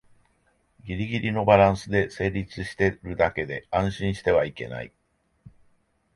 ギリギリのバランスで成立してるだけで安心してはいけない